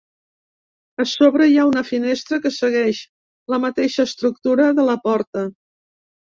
A sobre hi ha una finestra que segueix la mateixa estructura de la porta.